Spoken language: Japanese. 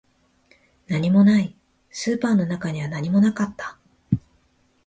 何もない、スーパーの中には何もなかった